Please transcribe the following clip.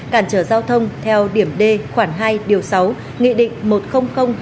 cản trở giao thông theo điểm d khoảng hai điều sáu nghị định một trăm linh hai nghìn một mươi chín